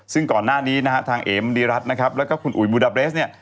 ซึ่งก่อนหน้านี้นะฮะทางเอมดีรัฐนะครับแล้วก็คุณอุ๋ยบูดาเบรสเนี่ย